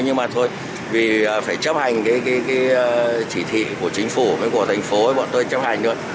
nhưng mà thôi vì phải chấp hành cái chỉ thị của chính phủ với của thành phố bọn tôi chấp hành nữa